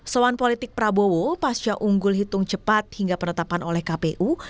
soan politik prabowo pasca unggul hitung cepat hingga penetapan oleh kpu